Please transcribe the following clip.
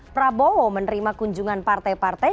prabowo menerima kunjungan partai partai